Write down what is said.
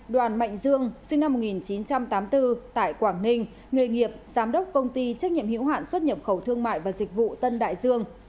đoàn mạnh dương sinh năm một nghìn chín trăm tám mươi bốn tại quảng ninh nghề nghiệp giám đốc công ty trách nhiệm hữu hạn xuất nhập khẩu thương mại và dịch vụ tân đại dương